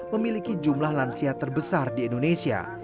memiliki jumlah lansia terbesar di indonesia